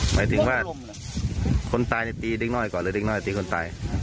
หมายถึงว่าคนตายตีเด็กน้อยก่อนหรือดึงน้อยตีคนตาย